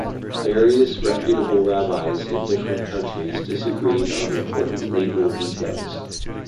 Various reputable rabbis in different countries disagreed on important legal details.